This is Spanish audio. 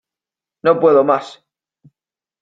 ¡ No puedo más!